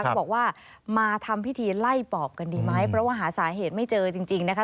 เขาบอกว่ามาทำพิธีไล่ปอบกันดีไหมเพราะว่าหาสาเหตุไม่เจอจริงนะคะ